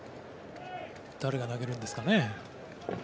誰が投げるんですかね。